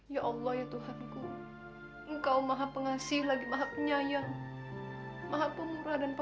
ya allah ya tuhan ku engkau mahap pengasih lagi maha penyayang mahap pemurah dan